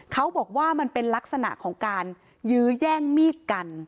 เขาบอกว่ามันเป็นลักษณะของการยื้อแย่งมีดกัน